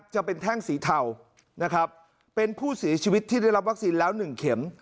แท่งสีเทานะครับเป็นผู้เสียชีวิตที่ได้รับวัคซีนแล้ว๑เข็ม